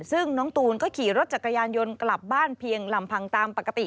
ซึ่งน้องตูนก็ขี่รถจักรยานยนต์กลับบ้านเพียงลำพังตามปกติ